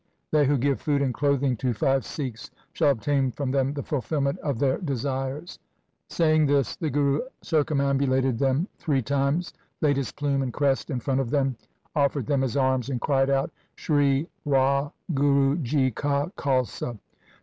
They who give food and clothing to five Sikhs, shall obtain from them the fulfilment of their desires.' Saying this the Guru circumam bulated them three times, laid his plume and crest in front of them, offered them his arms, and cried out, ' Sri Wahguru ji ka Khalsa